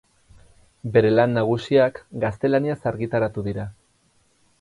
Bere lan nagusiak gaztelaniaz argitaratu dira.